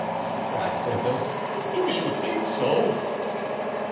cried Porthos, "do you think so?"